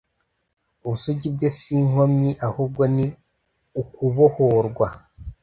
ubusugi bwe si inkomyi ahubwo ni ukubohorwa